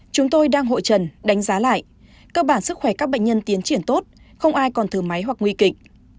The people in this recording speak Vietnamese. chúng tôi đang hội trần đánh giá lại cơ bản sức khỏe các bệnh nhân tiến triển tốt không ai còn thừa máy hoặc nguy kịch